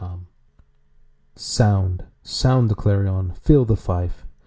Answer SOUND, sound the clarion, fill the fife!